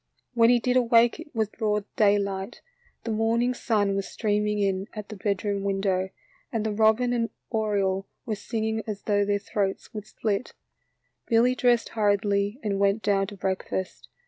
When he did awake it was broad daylight. The morning sun was streaming in at the bed BILLY WILSON'S BOX TRAP. 75 room window, and the robin and oriole were singing as though their throats would split. Billy dressed hurriedly and went down to breakfast.